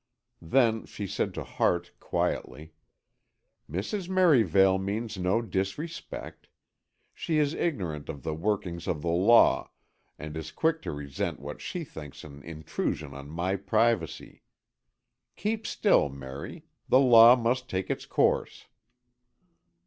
Then she said to Hart, quietly: "Mrs. Merivale means no disrespect. She is ignorant of the workings of the law, and is quick to resent what she thinks an intrusion on my privacy. Keep still, Merry. The law must take its course."